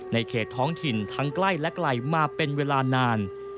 ในเขตท้องถิ่นทั้งใกล้และไกลมาเป็นเวลานาน